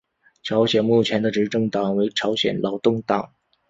朝鲜目前的执政党为朝鲜劳动党。